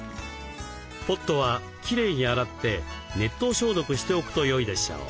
ポットはきれいに洗って熱湯消毒しておくとよいでしょう。